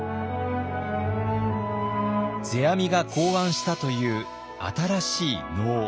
世阿弥が考案したという新しい能。